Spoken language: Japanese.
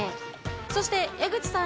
そして江口さん